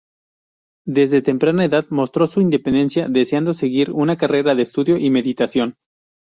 Desde temprana edad mostró su independencia, deseando seguir una carrera de estudio y meditación.